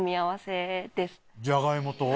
ジャガイモと？